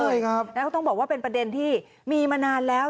ใช่ครับแล้วก็ต้องบอกว่าเป็นประเด็นที่มีมานานแล้ว